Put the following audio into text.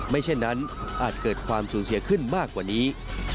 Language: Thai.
เช่นนั้นอาจเกิดความสูญเสียขึ้นมากกว่านี้